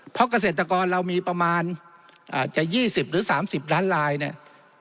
เพราะเกษตรกรเรามีประมาณจะ๒๐หรือ๓๐ล้านลายเนี่ย